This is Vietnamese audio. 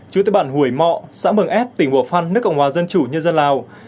chú tế bản hủy mọ xã mường s tỉnh bộ phan nước cộng hòa dân chủ nhân dân lào